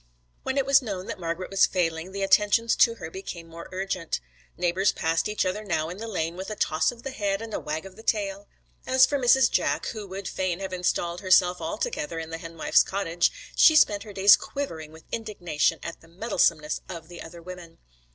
When it was known that Margret was failing, the attentions to her became more urgent. Neighbours passed each other now in the lane with a toss of the head and 'a wag of the tail.' As for Mrs. Jack, who would fain have installed herself altogether in the henwife's cottage, she spent her days quivering with indignation at the meddlesomeness of the other women.